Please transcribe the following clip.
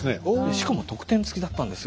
しかも特典つきだったんですよ